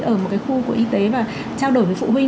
ở một cái khu y tế và trao đổi với phụ huynh